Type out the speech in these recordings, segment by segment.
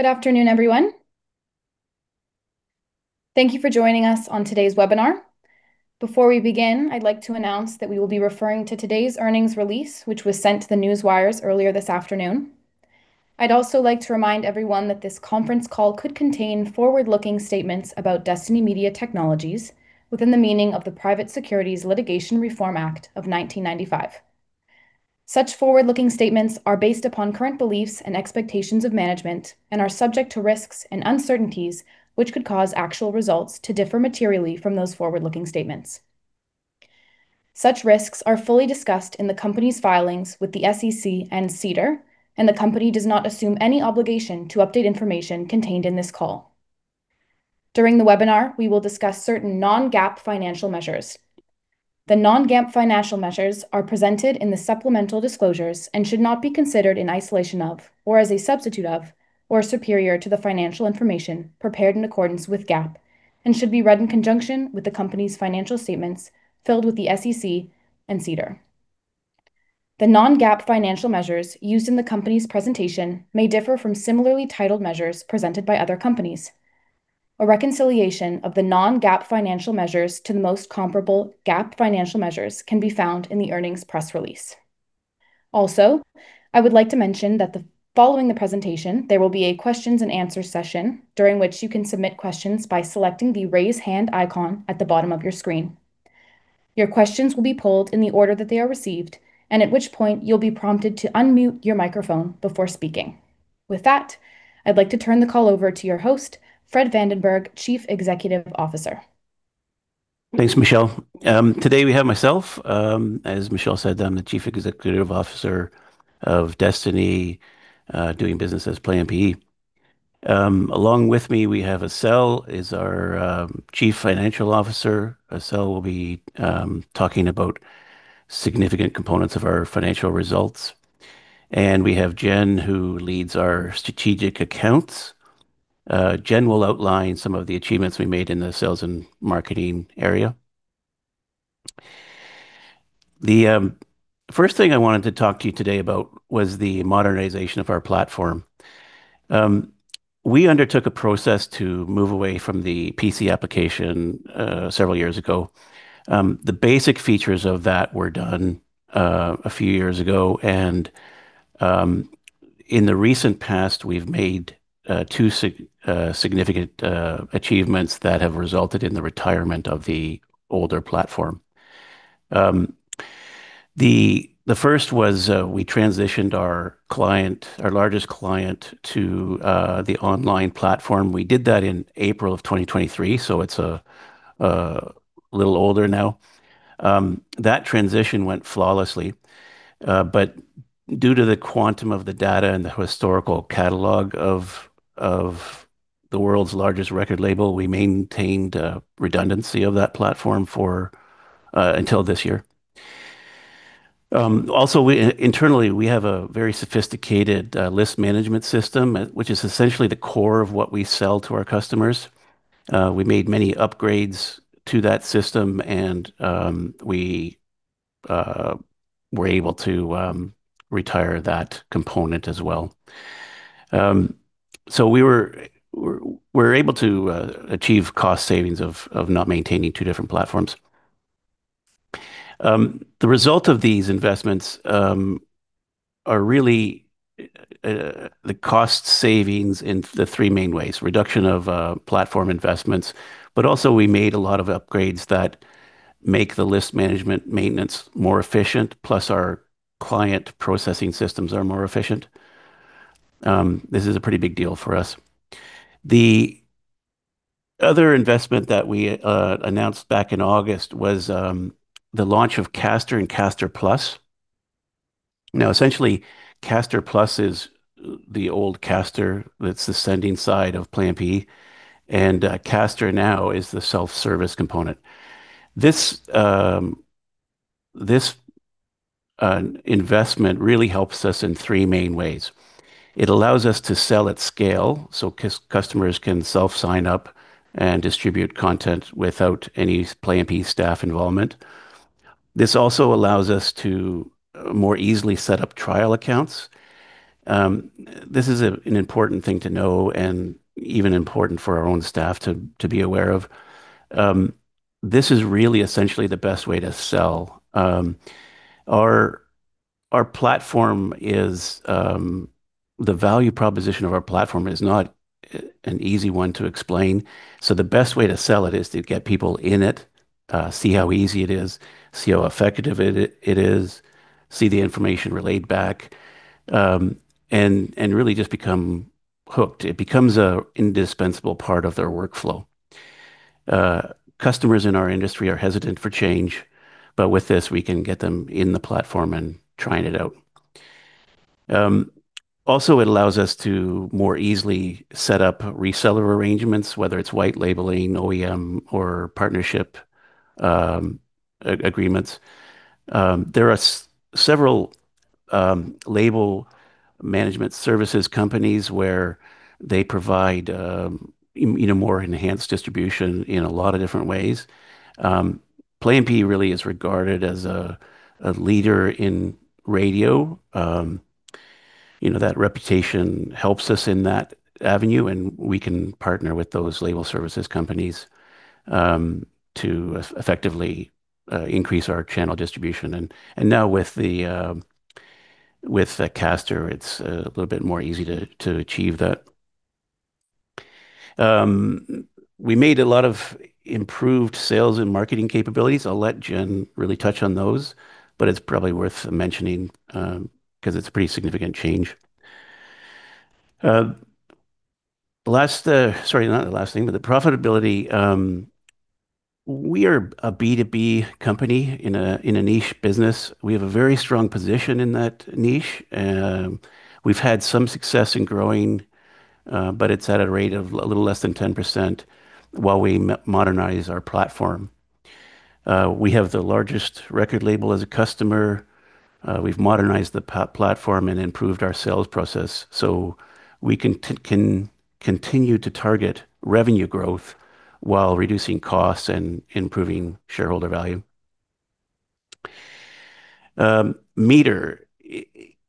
Good afternoon, everyone. Thank you for joining us on today's webinar. Before we begin, I'd like to announce that we will be referring to today's earnings release, which was sent to the newswires earlier this afternoon. I'd also like to remind everyone that this conference call could contain forward-looking statements about Destiny Media Technologies within the meaning of the Private Securities Litigation Reform Act of 1995. Such forward-looking statements are based upon current beliefs and expectations of management and are subject to risks and uncertainties which could cause actual results to differ materially from those forward-looking statements. Such risks are fully discussed in the company's filings with the SEC and SEDAR, and the company does not assume any obligation to update information contained in this call. During the webinar, we will discuss certain non-GAAP financial measures. The non-GAAP financial measures are presented in the supplemental disclosures and should not be considered in isolation of, or as a substitute of, or superior to the financial information prepared in accordance with GAAP, and should be read in conjunction with the company's financial statements filed with the SEC and SEDAR. The non-GAAP financial measures used in the company's presentation may differ from similarly titled measures presented by other companies. A reconciliation of the non-GAAP financial measures to the most comparable GAAP financial measures can be found in the earnings press release. Also, I would like to mention that following the presentation, there will be a questions and answers session during which you can submit questions by selecting the raise hand icon at the bottom of your screen. Your questions will be pulled in the order that they are received, and at which point you'll be prompted to unmute your microphone before speaking. With that, I'd like to turn the call over to your host, Fred Vandenberg, Chief Executive Officer. Thanks, Michelle. Today we have myself. As Michelle said, I'm the Chief Executive Officer of Destiny, doing business as Plan PE. Along with me, we have Assel, who is our Chief Financial Officer. Assel will be talking about significant components of our financial results. And we have Jen, who leads our strategic accounts. Jen will outline some of the achievements we made in the sales and marketing area. The first thing I wanted to talk to you today about was the modernization of our platform. We undertook a process to move away from the PC application several years ago. The basic features of that were done a few years ago. In the recent past, we've made two significant achievements that have resulted in the retirement of the older platform. The first was we transitioned our client, our largest client, to the online platform. We did that in April of 2023, so it is a little older now. That transition went flawlessly. Due to the quantum of the data and the historical catalog of the world's largest record label, we maintained redundancy of that platform until this year. Also, internally, we have a very sophisticated list management system, which is essentially the core of what we sell to our customers. We made many upgrades to that system, and we were able to retire that component as well. We were able to achieve cost savings of not maintaining two different platforms. The result of these investments are really the cost savings in three main ways: reduction of platform investments, we also made a lot of upgrades that make the list management maintenance more efficient, plus our client processing systems are more efficient. This is a pretty big deal for us. The other investment that we announced back in August was the launch of Caster and Caster Plus. Now, essentially, Caster Plus is the old Caster that's the sending side of Plan PE, and Caster now is the self-service component. This investment really helps us in three main ways. It allows us to sell at scale so customers can self-sign up and distribute content without any Plan PE staff involvement. This also allows us to more easily set up trial accounts. This is an important thing to know and even important for our own staff to be aware of. This is really essentially the best way to sell. Our platform is the value proposition of our platform is not an easy one to explain. The best way to sell it is to get people in it, see how easy it is, see how effective it is, see the information relayed back, and really just become hooked. It becomes an indispensable part of their workflow. Customers in our industry are hesitant for change, but with this, we can get them in the platform and trying it out. Also, it allows us to more easily set up reseller arrangements, whether it's white labeling, OEM, or partnership agreements. There are several label management services companies where they provide more enhanced distribution in a lot of different ways. Plan PE really is regarded as a leader in radio. That reputation helps us in that avenue, and we can partner with those label services companies to effectively increase our channel distribution. Now, with Caster, it's a little bit more easy to achieve that. We made a lot of improved sales and marketing capabilities. I'll let Jen really touch on those, but it's probably worth mentioning because it's a pretty significant change. Not the last thing, but the profitability. We are a B2B company in a niche business. We have a very strong position in that niche. We've had some success in growing, but it's at a rate of a little less than 10% while we modernize our platform. We have the largest record label as a customer. We've modernized the platform and improved our sales process so we can continue to target revenue growth while reducing costs and improving shareholder value. Meter.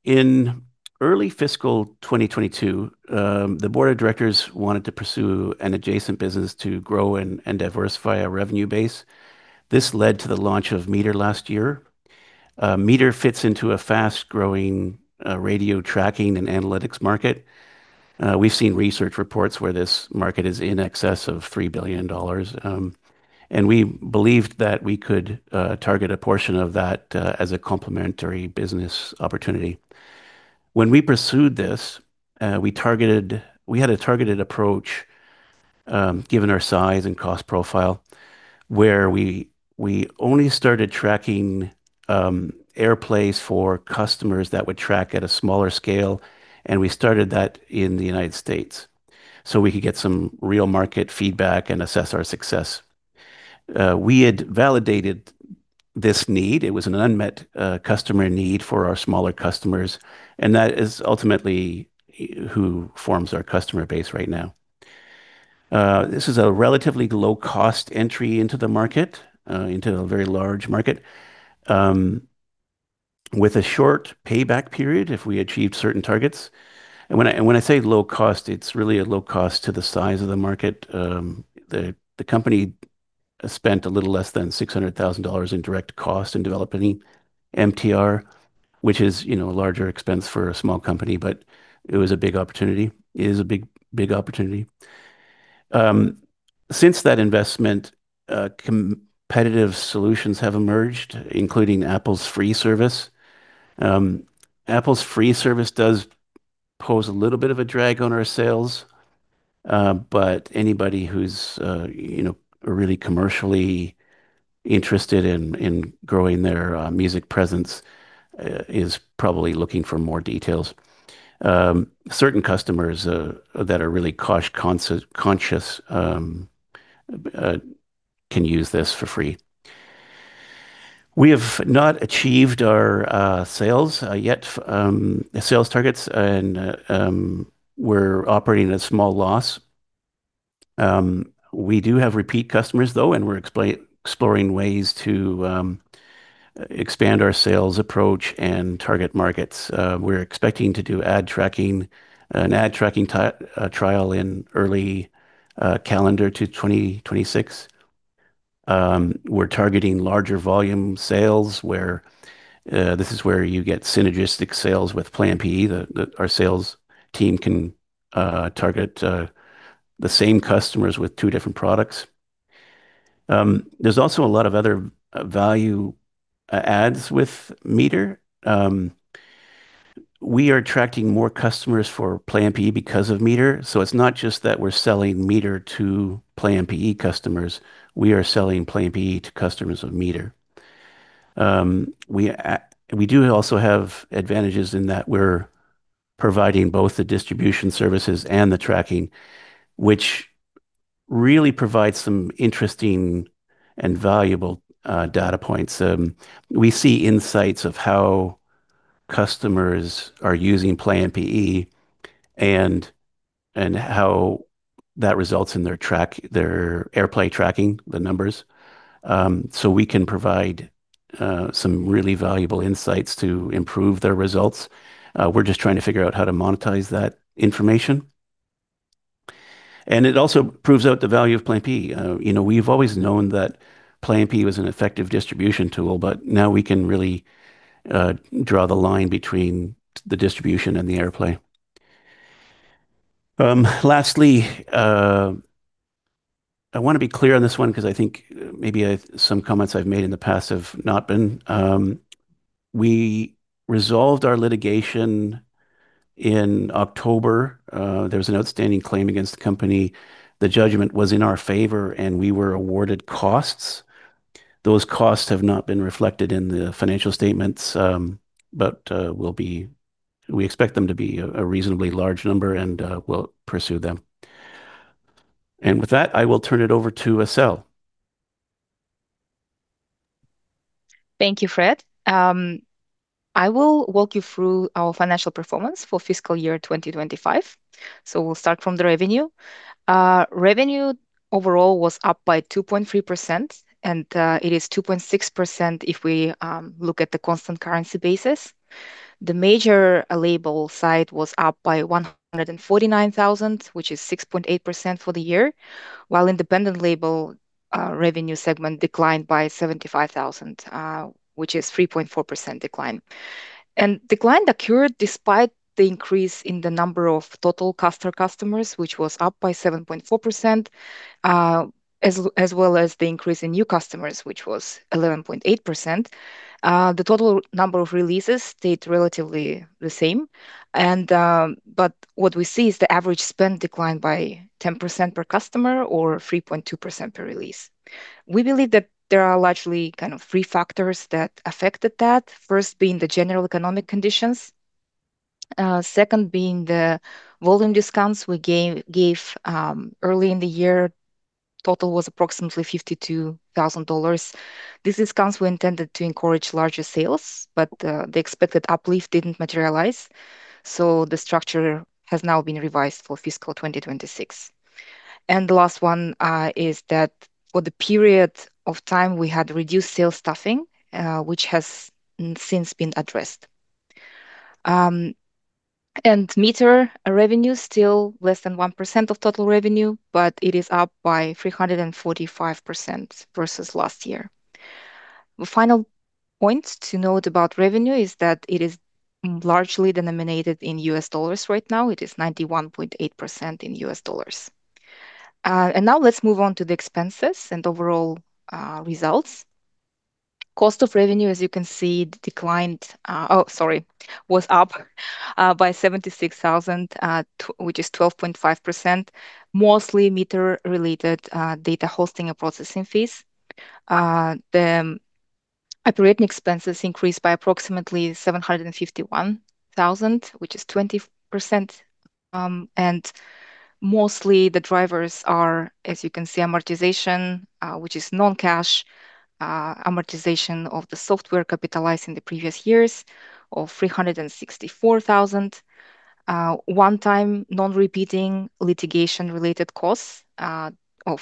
In early fiscal 2022, the board of directors wanted to pursue an adjacent business to grow and diversify a revenue base. This led to the launch of Meter last year. Meter fits into a fast-growing radio tracking and analytics market. We've seen research reports where this market is in excess of $3 billion. We believed that we could target a portion of that as a complementary business opportunity. When we pursued this, we had a targeted approach given our size and cost profile where we only started tracking airplays for customers that would track at a smaller scale, and we started that in the United States so we could get some real market feedback and assess our success. We had validated this need. It was an unmet customer need for our smaller customers, and that is ultimately who forms our customer base right now. This is a relatively low-cost entry into the market, into a very large market, with a short payback period if we achieve certain targets. When I say low cost, it is really a low cost to the size of the market. The company spent a little less than $600,000 in direct cost in developing Meter, which is a larger expense for a small company, but it was a big opportunity. It is a big opportunity. Since that investment, competitive solutions have emerged, including Apple's free service. Apple's free service does pose a little bit of a drag on our sales, but anybody who is really commercially interested in growing their music presence is probably looking for more details. Certain customers that are really cost-conscious can use this for free. We have not achieved our sales yet, sales targets, and we are operating at a small loss. We do have repeat customers, though, and we are exploring ways to expand our sales approach and target markets. We're expecting to do ad tracking, an ad tracking trial in early calendar 2026. We're targeting larger volume sales, where this is where you get synergistic sales with Plan PE. Our sales team can target the same customers with two different products. There's also a lot of other value adds with Meter. We are attracting more customers for Plan PE because of Meter. It's not just that we're selling Meter to Plan PE customers. We are selling Plan PE to customers of Meter. We do also have advantages in that we're providing both the distribution services and the tracking, which really provides some interesting and valuable data points. We see insights of how customers are using Plan PE and how that results in their airplay tracking, the numbers. We can provide some really valuable insights to improve their results. We're just trying to figure out how to monetize that information. It also proves out the value of Plan PE. We've always known that Plan PE was an effective distribution tool, but now we can really draw the line between the distribution and the airplay. Lastly, I want to be clear on this one because I think maybe some comments I've made in the past have not been. We resolved our litigation in October. There was an outstanding claim against the company. The judgment was in our favor, and we were awarded costs. Those costs have not been reflected in the financial statements, but we expect them to be a reasonably large number, and we'll pursue them. With that, I will turn it over to Assel. Thank you, Fred. I will walk you through our financial performance for fiscal year 2025. We'll start from the revenue. Revenue overall was up by 2.3%, and it is 2.6% if we look at the constant currency basis. The major label side was up by $149,000, which is 6.8% for the year, while independent label revenue segment declined by $75,000, which is a 3.4% decline. That decline occurred despite the increase in the number of total Caster customers, which was up by 7.4%, as well as the increase in new customers, which was 11.8%. The total number of releases stayed relatively the same, but what we see is the average spend declined by 10% per customer or 3.2% per release. We believe that there are largely kind of three factors that affected that, first being the general economic conditions, second being the volume discounts we gave early in the year. Total was approximately $52,000. These discounts were intended to encourage larger sales, but the expected uplift did not materialize. The structure has now been revised for fiscal 2026. The last one is that for the period of time, we had reduced sales stuffing, which has since been addressed. Meter revenue is still less than 1% of total revenue, but it is up by 345% versus last year. The final point to note about revenue is that it is largely denominated in US dollars right now. It is 91.8% in US dollars. Now let's move on to the expenses and overall results. Cost of revenue, as you can see, was up by $76,000, which is 12.5%, mostly Meter-related data hosting and processing fees. The operating expenses increased by approximately $751,000, which is 20%. Mostly the drivers are, as you can see, amortization, which is non-cash amortization of the software capitalized in the previous years of $364,000. One-time non-repeating litigation-related costs of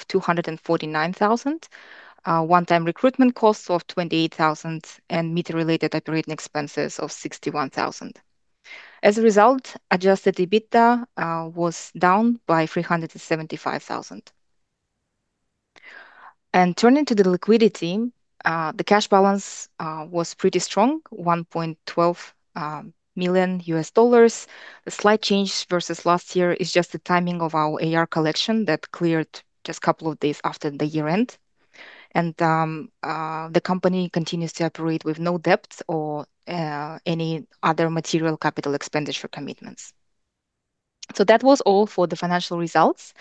$249,000, one-time recruitment costs of $28,000, and Meter-related operating expenses of $61,000. As a result, adjusted EBITDA was down by $375,000. Turning to the liquidity, the cash balance was pretty strong, $1.12 million. The slight change versus last year is just the timing of our AR collection that cleared just a couple of days after the year-end. The company continues to operate with no debt or any other material capital expenditure commitments. That was all for the financial results.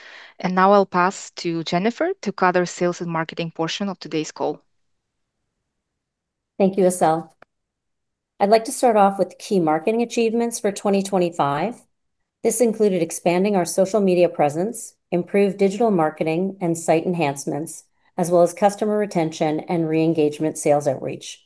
Now I'll pass to Jennifer to cover the sales and marketing portion of today's call. Thank you, Assel. I'd like to start off with key marketing achievements for 2025. This included expanding our social media presence, improved digital marketing and site enhancements, as well as customer retention and re-engagement sales outreach.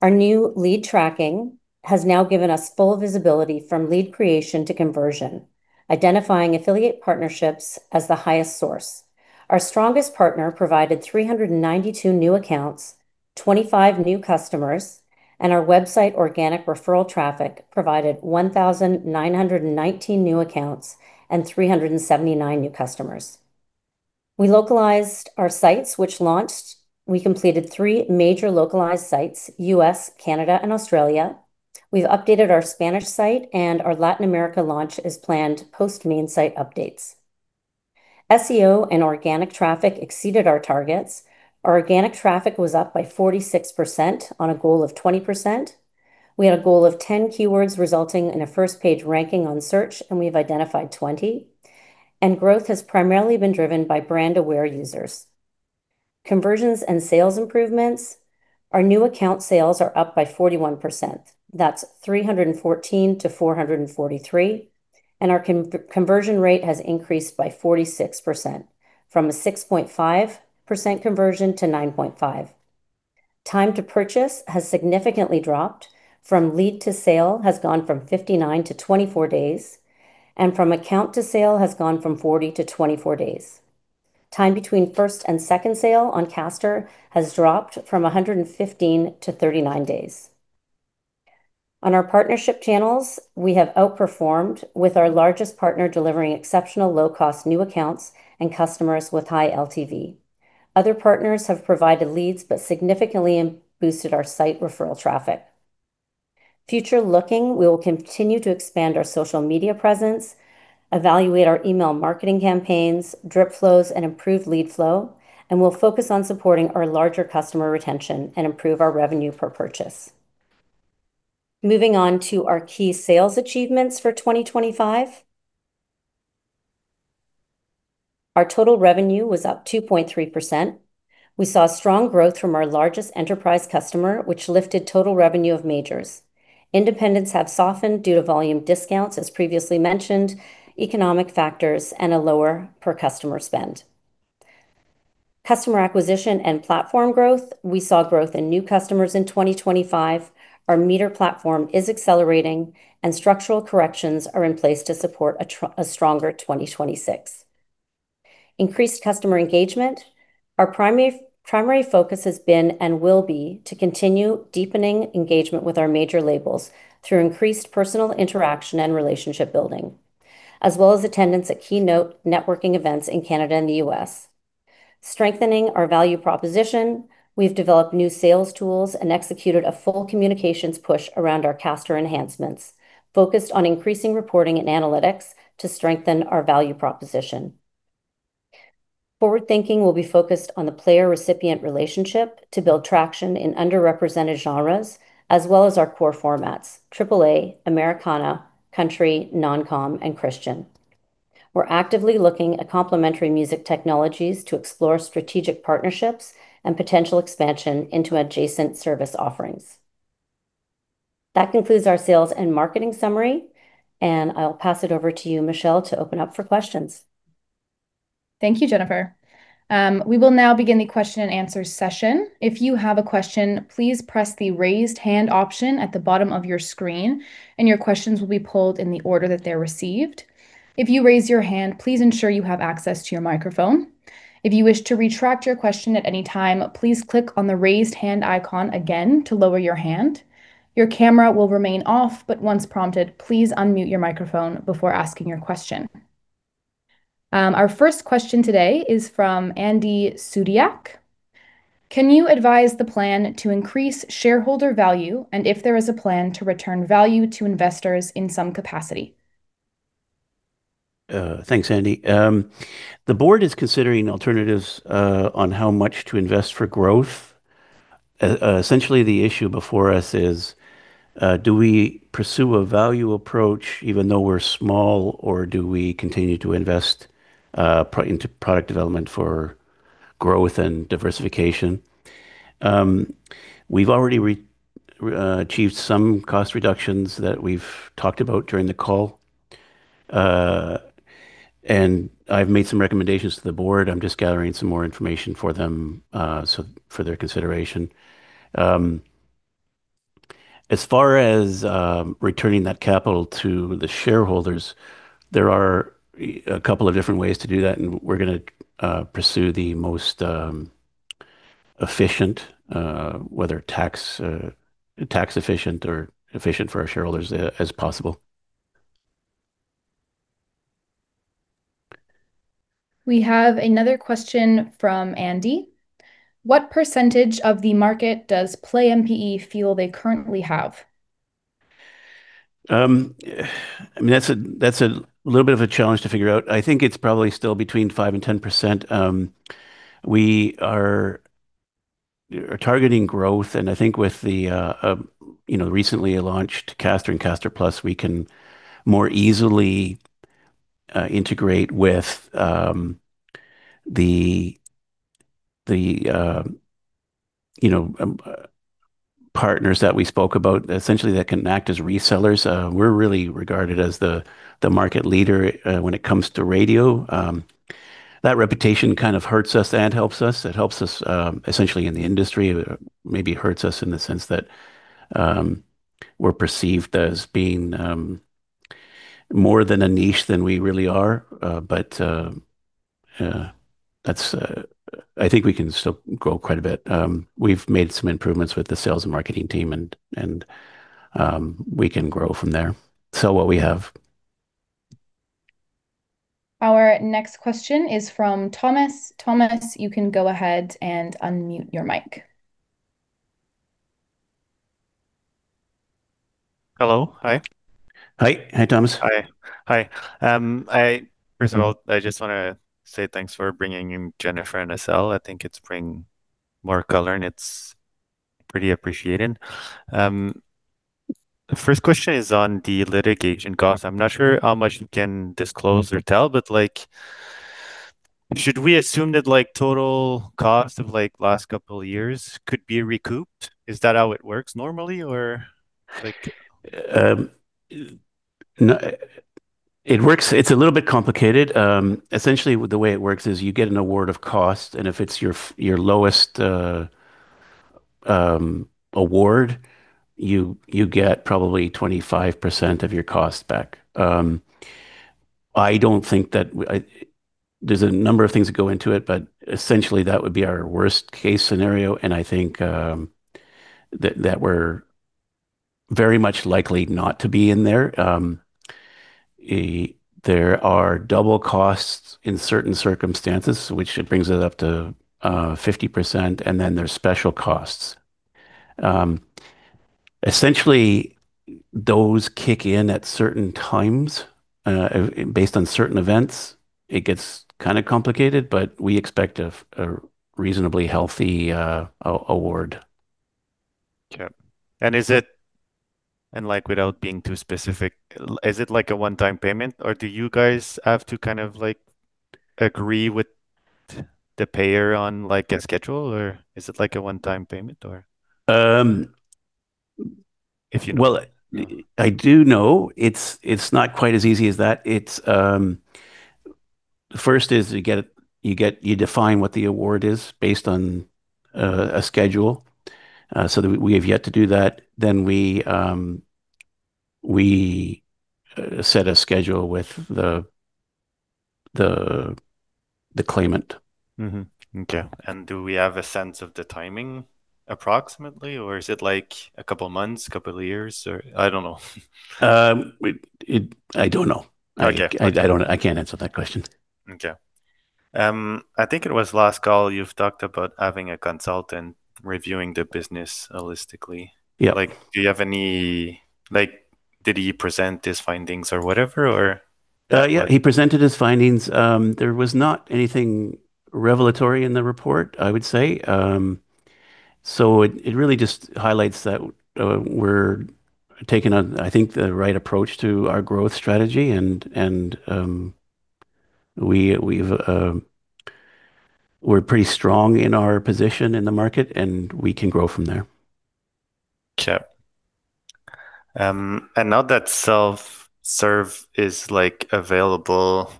Our new lead tracking has now given us full visibility from lead creation to conversion, identifying affiliate partnerships as the highest source. Our strongest partner provided 392 new accounts, 25 new customers, and our website organic referral traffic provided 1,919 new accounts and 379 new customers. We localized our sites, which launched. We completed three major localized sites: U.S., Canada, and Australia. We've updated our Spanish site, and our Latin America launch is planned post main site updates. SEO and organic traffic exceeded our targets. Organic traffic was up by 46% on a goal of 20%. We had a goal of 10 keywords resulting in a first-page ranking on search, and we've identified 20. Growth has primarily been driven by brand-aware users. Conversions and sales improvements. Our new account sales are up by 41%. That is 314-443. Our conversion rate has increased by 46% from a 6.5% conversion to 9.5%. Time to purchase has significantly dropped from lead to sale, going from 59 days to 24 days, and from account to sale has gone from 40 days to 24 days. Time between first and second sale on Caster has dropped from 115 days to 39 days. On our partnership channels, we have outperformed with our largest partner delivering exceptional low-cost new accounts and customers with high LTV. Other partners have provided leads but significantly boosted our site referral traffic. Future-looking, we will continue to expand our social media presence, evaluate our email marketing campaigns, drip flows, and improve lead flow, and we'll focus on supporting our larger customer retention and improve our revenue per purchase. Moving on to our key sales achievements for 2025. Our total revenue was up 2.3%. We saw strong growth from our largest enterprise customer, which lifted total revenue of Majors. Independents have softened due to volume discounts, as previously mentioned, economic factors, and a lower per-customer spend. Customer acquisition and platform growth. We saw growth in new customers in 2025. Our Meter platform is accelerating, and structural corrections are in place to support a stronger 2026. Increased customer engagement. Our primary focus has been and will be to continue deepening engagement with our major labels through increased personal interaction and relationship building, as well as attendance at key networking events in Canada and the U.S. Strengthening our value proposition. We've developed new sales tools and executed a full communications push around our Caster enhancements, focused on increasing reporting and analytics to strengthen our value proposition. Forward-thinking, we'll be focused on the player-recipient relationship to build traction in underrepresented genres, as well as our core formats: AAA, Americana, Country, Non-Com, and Christian. We're actively looking at complementary music technologies to explore strategic partnerships and potential expansion into adjacent service offerings. That concludes our sales and marketing summary, and I'll pass it over to you, Michelle, to open up for questions. Thank you, Jennifer. We will now begin the question-and-answer session. If you have a question, please press the raised hand option at the bottom of your screen, and your questions will be pulled in the order that they're received. If you raise your hand, please ensure you have access to your microphone. If you wish to retract your question at any time, please click on the raised hand icon again to lower your hand. Your camera will remain off, but once prompted, please unmute your microphone before asking your question. Our first question today is from Andy Sudiac. Can you advise the plan to increase shareholder value and if there is a plan to return value to investors in some capacity? Thanks, Andy. The board is considering alternatives on how much to invest for growth. Essentially, the issue before us is, do we pursue a value approach even though we're small, or do we continue to invest into product development for growth and diversification? We've already achieved some cost reductions that we've talked about during the call, and I've made some recommendations to the board. I'm just gathering some more information for them for their consideration. As far as returning that capital to the shareholders, there are a couple of different ways to do that, and we're going to pursue the most efficient, whether tax-efficient or efficient for our shareholders as possible. We have another question from Andy. What percentage of the market does Plan PE feel they currently have? I mean, that's a little bit of a challenge to figure out. I think it's probably still between 5% and 10%. We are targeting growth, and I think with the recently launched Caster and Caster Plus, we can more easily integrate with the partners that we spoke about. Essentially, that can act as resellers. We're really regarded as the market leader when it comes to radio. That reputation kind of hurts us and helps us. It helps us essentially in the industry. It maybe hurts us in the sense that we're perceived as being more of a niche than we really are, but I think we can still grow quite a bit. We've made some improvements with the sales and marketing team, and we can grow from there. Sell what we have. Our next question is from Thomas. Thomas, you can go ahead and unmute your mic. Hello. Hi. Hi. Hi, Thomas. Hi. First of all, I just want to say thanks for bringing in Jennifer and Assel. I think it's bringing more color, and it's pretty appreciated. The first question is on the litigation cost. I'm not sure how much you can disclose or tell, but should we assume that total cost of last couple of years could be recouped? Is that how it works normally, or? It works. It's a little bit complicated. Essentially, the way it works is you get an award of cost, and if it's your lowest award, you get probably 25% of your cost back. I don't think that there's a number of things that go into it, but essentially, that would be our worst-case scenario, and I think that we're very much likely not to be in there. There are double costs in certain circumstances, which brings it up to 50%, and then there are special costs. Essentially, those kick in at certain times. Based on certain events, it gets kind of complicated, but we expect a reasonably healthy award. Okay. Without being too specific, is it like a one-time payment, or do you guys have to kind of agree with the payer on a schedule, or is it like a one-time payment? I do know it's not quite as easy as that. First is you define what the award is based on a schedule. So we have yet to do that. Then we set a schedule with the claimant. Okay. Do we have a sense of the timing approximately, or is it like a couple of months, a couple of years, or I don't know? I don't know. I can't answer that question. Okay. I think it was last call you talked about having a consultant reviewing the business holistically. Yeah. Do you have any—did he present his findings or whatever, or? Yeah. He presented his findings. There was not anything revelatory in the report, I would say. It really just highlights that we're taking on, I think, the right approach to our growth strategy, and we're pretty strong in our position in the market, and we can grow from there. Okay. Now that self-serve is available,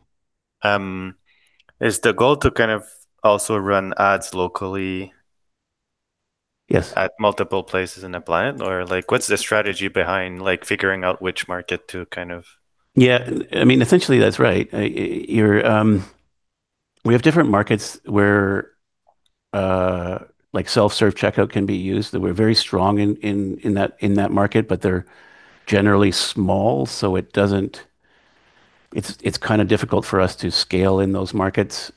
is the goal to kind of also run ads locally at multiple places in the planet, or what's the strategy behind figuring out which market to kind of? Yeah. I mean, essentially, that's right. We have different markets where self-serve checkout can be used. We're very strong in that market, but they're generally small, so it's kind of difficult for us to scale in those markets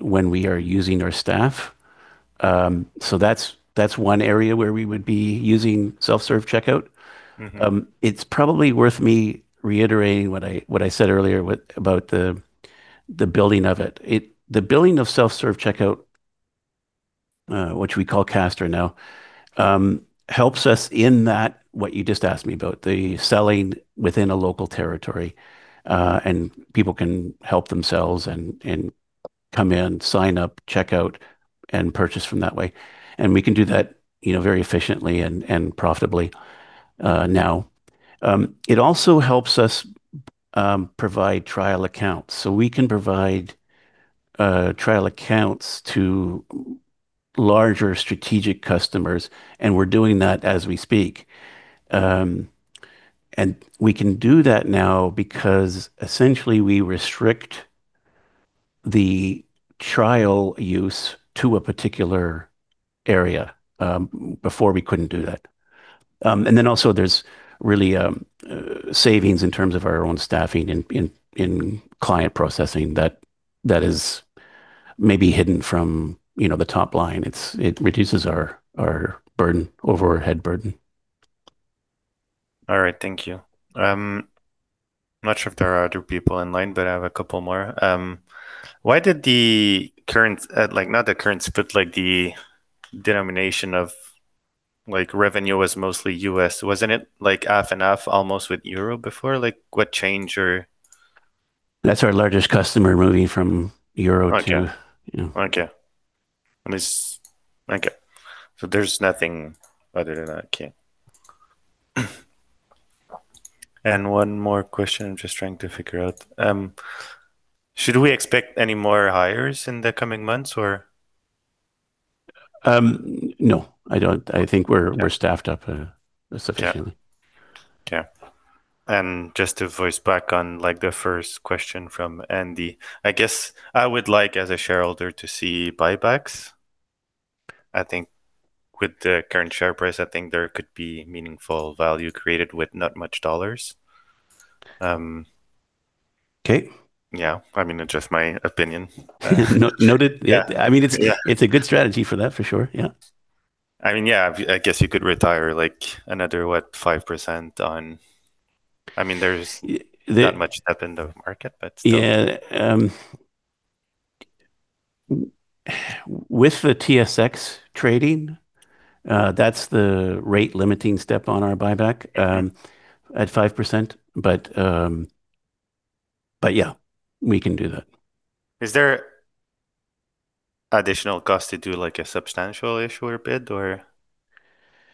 when we are using our staff. That's one area where we would be using self-serve checkout. It's probably worth me reiterating what I said earlier about the building of it. The building of self-serve checkout, which we call Caster now, helps us in that what you just asked me about, the selling within a local territory, and people can help themselves and come in, sign up, checkout, and purchase from that way. We can do that very efficiently and profitably now. It also helps us provide trial accounts. We can provide trial accounts to larger strategic customers, and we're doing that as we speak. We can do that now because essentially we restrict the trial use to a particular area. Before, we could not do that. There are also savings in terms of our own staffing and client processing that is maybe hidden from the top line. It reduces our burden, overhead burden. All right. Thank you. I'm not sure if there are two people in line, but I have a couple more. Why did the current—not the current, but the denomination of revenue was mostly US. Wasn't it like half and half almost with Euro before? What changed or? That's our largest customer moving from Euro to. Okay.Okay. Okay. There is nothing other than that. Okay. One more question I am just trying to figure out. Should we expect any more hires in the coming months, or? No. I think we're staffed up sufficiently. Okay. Just to voice back on the first question from Andy, I guess I would like, as a shareholder, to see buybacks. I think with the current share price, I think there could be meaningful value created with not much dollars. Okay. Yeah. I mean, it's just my opinion. Noted. I mean, it's a good strategy for that, for sure. Yeah. I mean, yeah, I guess you could retire another, what, 5% on—I mean, there's not much step in the market, but still. Yeah. With the TSX trading, that's the rate-limiting step on our buyback at 5%. Yeah, we can do that. Is there additional cost to do a substantial issue or bid, or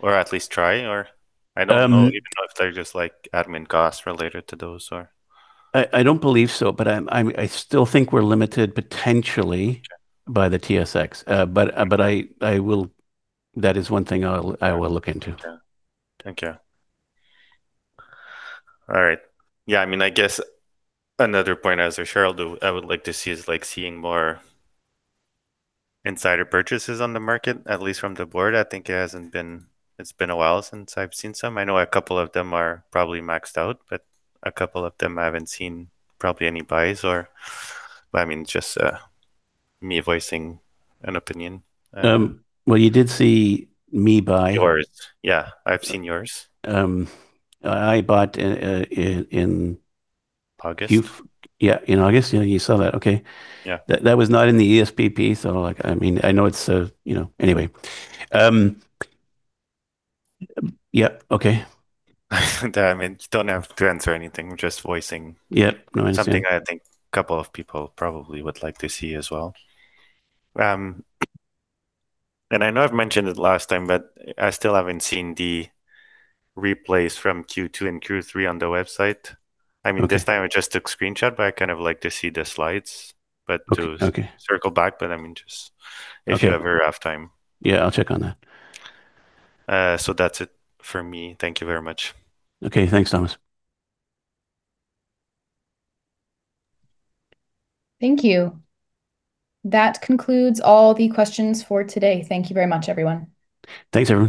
at least try, or? I don't know even if they're just admin costs related to those, or. I don't believe so, but I still think we're limited potentially by the TSX. That is one thing I will look into. Okay. Thank you. All right. Yeah. I mean, I guess another point as a shareholder I would like to see is seeing more insider purchases on the market, at least from the board. I think it has not been—it has been a while since I have seen some. I know a couple of them are probably maxed out, but a couple of them I have not seen probably any buys, or I mean, just me voicing an opinion. You did see me buy. Yours. Yeah. I've seen yours. I bought in. August. Yeah. In August. You saw that. Okay. That was not in the ESPP, so I mean, I know it's a—anyway. Yeah. Okay. I mean, you don't have to answer anything. I'm just voicing. Yeah. No, I see. Something I think a couple of people probably would like to see as well. I know I have mentioned it last time, but I still have not seen the replays from Q2 and Q3 on the website. I mean, this time I just took screenshots, but I kind of like to see the slides. To circle back, I mean, just if you ever have time. Yeah. I'll check on that. That's it for me. Thank you very much. Okay. Thanks, Thomas. Thank you. That concludes all the questions for today. Thank you very much, everyone. Thanks, everyone.